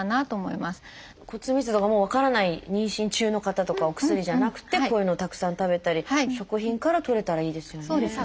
骨密度がもう分からない妊娠中の方とかお薬じゃなくてこういうのをたくさん食べたり食品からとれたらいいですよね。